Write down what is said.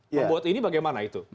membuat ini bagaimana itu